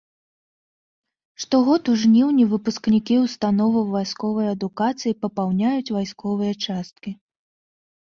Штогод у жніўні выпускнікі ўстановаў вайсковай адукацыі папаўняюць вайсковыя часткі.